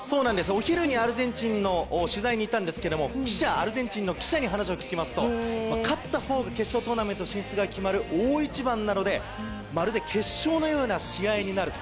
お昼にアルゼンチンの取材に行ったんですがアルゼンチンの記者に話を聞きますと勝ったほうが決勝トーナメント進出が決まる大一番なのでまるで決勝のような試合になると。